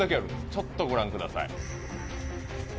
ちょっとご覧ください